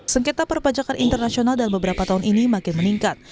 sengketa perpajakan internasional dalam beberapa tahun ini makin meningkat